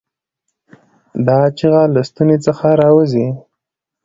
دا چیغه له ستونې څخه راووځي.